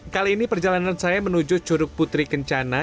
kali ini perjalanan saya menuju curug putri kencana